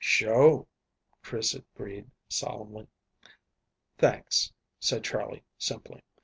"Sho'," Chris agreed solemnly. "Thanks," said Charley simply.